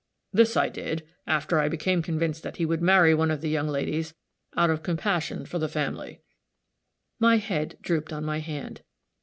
This I did (after I became convinced that he would marry one of the young ladies) out of compassion to the family." My head drooped on my hand.